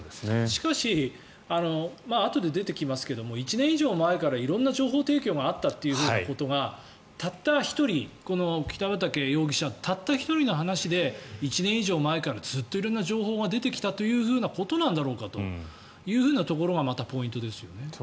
しかし、あとで出てきますが１年以上前から色んな情報提供があったということがたった１人北畠容疑者たった１人の話で１年以上前からずっと色んな情報が出てきたということなんだろうかというところがまたポイントですよね。